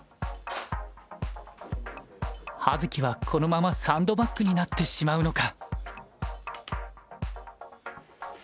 葉月はこのままサンドバッグになってしまうのか。